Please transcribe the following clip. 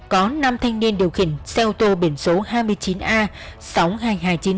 có năm thanh niên điều khiển xe ô tô biển số hai mươi chín a sáu mươi hai nghìn hai trăm chín mươi